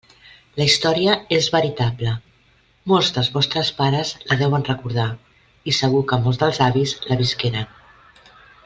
La història és veritable, molts dels vostres pares la deuen recordar i segur que molts dels avis la visqueren.